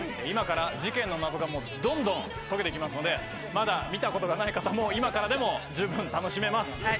今から事件の謎がどんどん解けて行きますのでまだ見たことがない方も今からでも十分楽しめます。